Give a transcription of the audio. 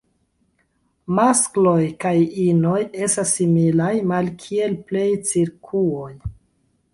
Maskloj kaj inoj estas similaj, malkiel plej cirkuoj.